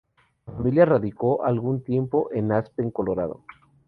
La familia se radicó algún tiempo en Aspen, Colorado.